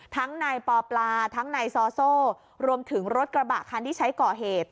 ทั้งนายปอปลาทั้งนายซอโซ่รวมถึงรถกระบะคันที่ใช้ก่อเหตุ